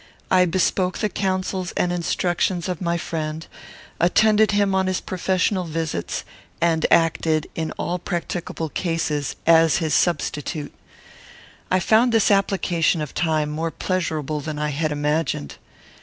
I bespoke the counsels and instructions of my friend; attended him on his professional visits, and acted, in all practicable cases, as his substitute. I found this application of time more pleasurable than I had imagined.